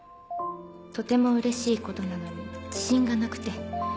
「とても嬉しい事なのに自信がなくて」